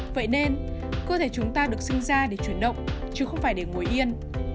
vậy nên cơ thể chúng ta được sinh ra để chuyển động chứ không phải để ngồi yên